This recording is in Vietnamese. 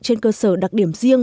trên cơ sở đặc điểm riêng